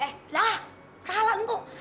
eh lah salah neku